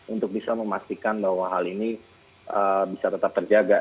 untuk bisa memastikan bahwa hal ini bisa tetap terjaga